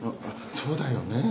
そうだよね。